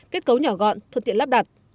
kết cấu nhỏ gọn thuật tiện lắp đặt